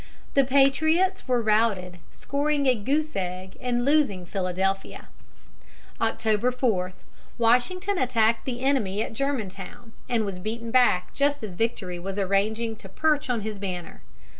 The patriots were routed, scoring a goose egg and losing Philadelphia. October 4, Washington attacked the enemy at Germantown, and was beaten back just as victory was arranging to perch on his banner.